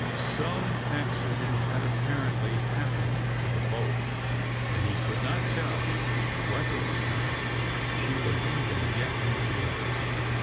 Some accident had, apparently, happened to the boat, and he could not tell whether or not she was even yet in the water.